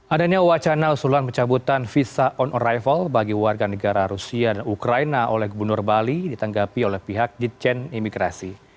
adanya wacana usulan pencabutan visa on arrival bagi warga negara rusia dan ukraina oleh gubernur bali ditanggapi oleh pihak ditjen imigrasi